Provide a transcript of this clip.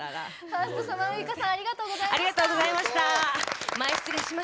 ファーストサマーウイカさんありがとうございました。